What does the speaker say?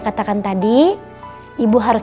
katakan tadi ibu harus